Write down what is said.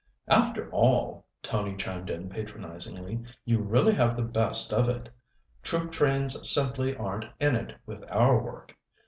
"After all," Tony chimed in patronizingly, "you really have the best of it. Troop trains simply aren't in it with our work.